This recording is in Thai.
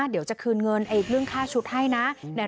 เดี๋ยวจะคืนเงินเรื่องค่าชุดให้นะ